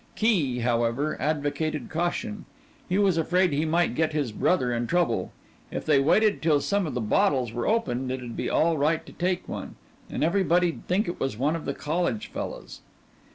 Key, however, advocated caution. He was afraid he might get his brother in trouble. If they waited till some of the bottles were opened it'd be all right to take one, and everybody'd think it was one of the college fellas.